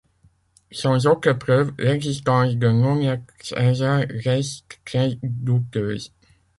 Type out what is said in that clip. Sans autre preuve, l’existence de Nonia Celsa reste très douteuse.